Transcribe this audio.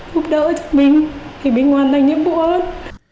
húp đỡ cho mình thì mình hoàn thành nhiệm vụ hơn